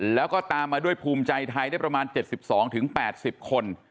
แล้วก็ตามมาด้วยภูมิใจไทยได้ประมาณ๗๒๘๐คน